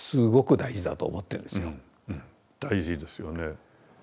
大事ですよね。